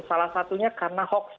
salah satunya karena hoax